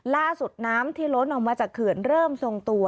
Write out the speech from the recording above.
น้ำที่ล้นออกมาจากเขื่อนเริ่มทรงตัว